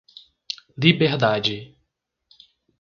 Liberdade